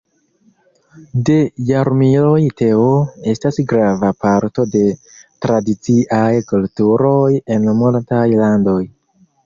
De jarmiloj teo estas grava parto de tradiciaj kulturoj en multaj landoj.